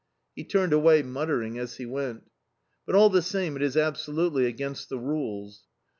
He turned away, muttering as he went: "But all the same it is absolutely against the rules."